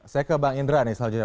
saya ke bang indra nih selanjutnya